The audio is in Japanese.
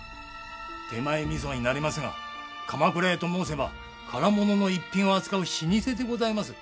手前味噌になりますが鎌倉屋と申せば唐物の逸品を扱う老舗でございます。